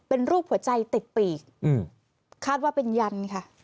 เป็นรูปหัวใจติดปีกคาดว่าเป็นยันค่ะ